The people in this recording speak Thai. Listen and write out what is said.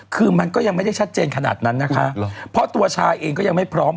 คือมันก็ยังไม่ได้ชัดเจนขนาดนั้นนะคะเพราะตัวชาเองก็ยังไม่พร้อม